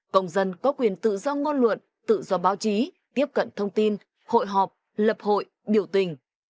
cộng dân có quyền tự do ngôn luận tự do báo chí tiếp cận thông tin hội họp lập hội biểu tình